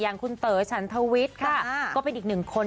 อย่างคุณเต๋อฉันทวิทย์ค่ะก็เป็นอีกหนึ่งคน